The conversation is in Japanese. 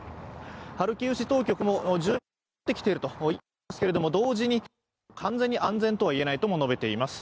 ハルキウ当局も住民が戻ってきていると言っていますが同時に、完全に安全とは言えないと述べています。